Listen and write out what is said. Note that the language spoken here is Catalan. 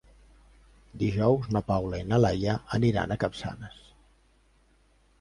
Dijous na Paula i na Laia aniran a Capçanes.